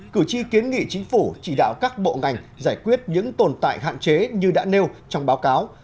cử tri kiến nghị chính phủ chỉ đạo các bộ ngành giải quyết những tồn tại hạn chế như đã nêu trong báo cáo